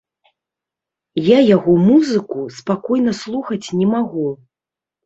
Я яго музыку спакойна слухаць не магу.